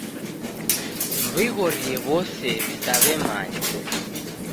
Mw'ighorie w'ose w'isaw'emanya.